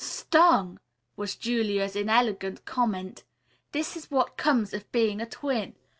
"Stung!" was Julia's inelegant comment. "This is what comes of being a twin.